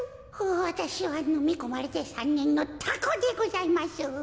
わたしはのみこまれて３ねんのタコでございます。